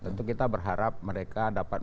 tentu kita berharap mereka dapat